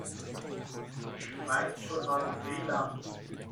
Schmeiß schon mal den Grill an.